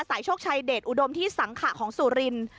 โชคชัยเดชอุดมที่สังขะของสุรินทร์